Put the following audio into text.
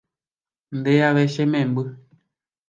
nde ave che memby.